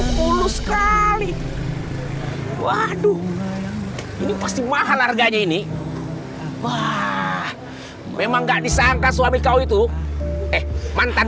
mulus sekali waduh ini pasti mahal harganya ini wah memang enggak disangka suami kau itu eh mantan